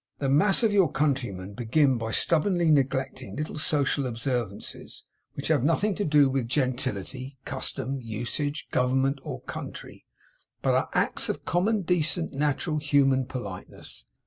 'The mass of your countrymen begin by stubbornly neglecting little social observances, which have nothing to do with gentility, custom, usage, government, or country, but are acts of common, decent, natural, human politeness.